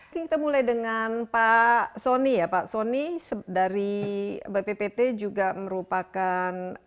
kita mulai dengan pak soni ya pak soni dari bppt juga merupakan